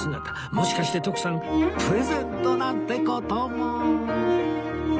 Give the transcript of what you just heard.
もしかして徳さんプレゼントなんて事も？